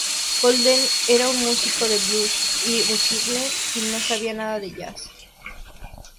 Bolden era un músico de blues y ragtime y no sabía nada de jazz.